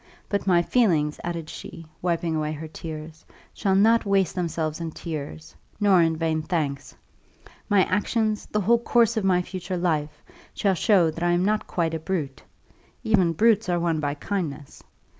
But my feelings," added she, wiping away her tears, "shall not waste themselves in tears, nor in vain thanks. My actions, the whole course of my future life, shall show that I am not quite a brute. Even brutes are won by kindness.